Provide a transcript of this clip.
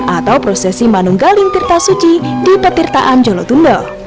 atau prosesi manunggaling tirta suci di petirtaan jolotundo